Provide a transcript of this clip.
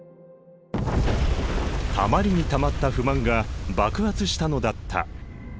たまりにたまった不満が爆発したのだった。